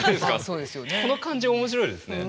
この感じは面白いですね。